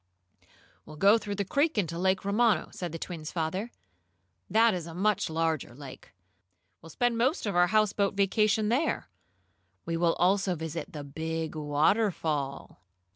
"We'll go through the creek into Lake Romano," said the twins' father. "That is a much larger lake. We'll spend most of our houseboat vacation there. We will also visit the big waterfall."